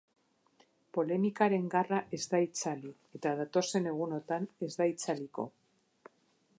Polemikaren garra ez da itzali, eta datozen egunotan ez da itzaliko.